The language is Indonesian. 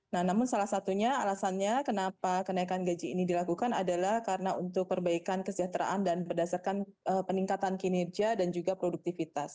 nah namun salah satunya alasannya kenapa kenaikan gaji ini dilakukan adalah karena untuk perbaikan kesejahteraan dan berdasarkan peningkatan kinerja dan juga produktivitas